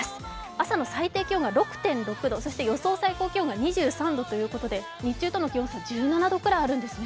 朝の最低気温は６．６度、予想最高気温は２３度ということで日中との気温差、１７度ぐらいあるんですね。